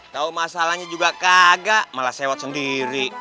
tau masalahnya juga kagak malah sewot sendiri